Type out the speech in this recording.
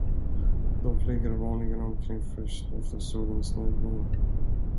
De flyger vanligen omkring först efter solens nedgång.